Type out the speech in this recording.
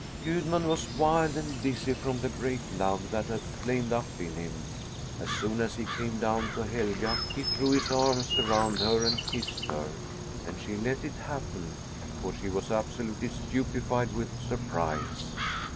Gudmund was wild and dizzy from the great love that had flamed up in him. As soon as he came down to Helga, he threw his arms around her and kissed her, and she let it happen, for she was absolutely stupefied with surprise.